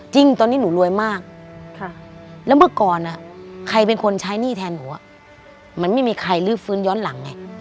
จริงตอนนี้หนูรวยมากแล้วเมื่อก่อนใครเป็นคนใช้หนี้แทนหนูมันไม่มีใครลื้อฟื้นย้อนหลังไง